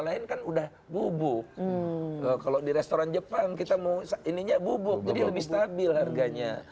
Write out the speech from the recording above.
lain kan udah bubuk kalau di restoran jepang kita mau ininya bubuk jadi lebih stabil harganya